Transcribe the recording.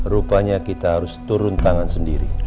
rupanya kita harus turun tangan sendiri